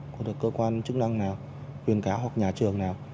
cơ quan chức năng nào huyền cáo hoặc nhà trường nào